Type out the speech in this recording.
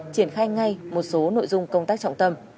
triển khai ngay một số nội dung công tác trọng tâm